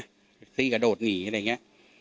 แท็กซี่กระโดดหนีอะไรอย่างนี้